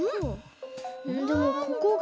でもここが。